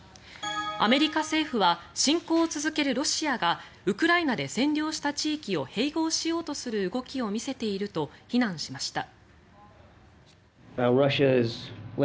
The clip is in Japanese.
アメリカ政府は侵攻を続けるロシアがウクライナで占領した地域を併合しようとする動きを見せていると非難しました。